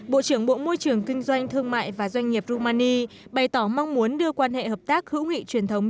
bộ trưởng bộ môi trường kinh doanh thương mại và doanh nghiệp romani bày tỏ mong muốn đưa quan hệ hợp tác hữu nghị truyền thống